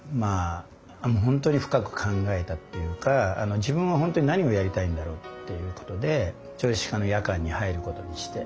本当に深く考えたっていうか自分は本当に何をやりたいんだろうっていうことで調理師科の夜間に入ることにして。